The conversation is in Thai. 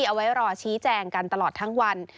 เอาไว้รอชี้แจงกันตลอดทั้งวัน